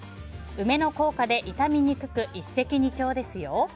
梅の効果で傷みにくく一石二鳥ですよ。